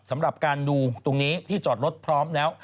สำหรับการดูตรงนี้ที่จอดรถพร้อมแล้ว